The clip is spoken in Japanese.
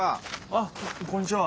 あっこんにちは！